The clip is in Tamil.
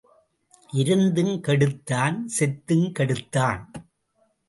இருந்தும் கெடுத்தான் செத்தும் கெடுத்தான்.